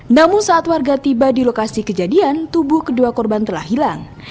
namun saat warga tiba di lokasi kejadian tubuh kedua korban telah hilang